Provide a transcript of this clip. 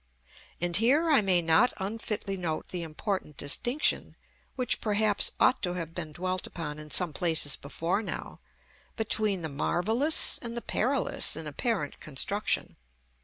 And here I may not unfitly note the important distinction, which perhaps ought to have been dwelt upon in some places before now, between the marvellous and the perilous in apparent construction.